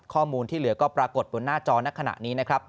ข้อมูลที่เหลือก็ปรากฏบนหน้าจอในขณะนี้นะครับ